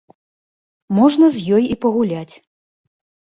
Можна з ёй і пагуляць.